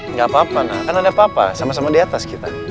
nggak apa apa kan ada apa apa sama sama di atas kita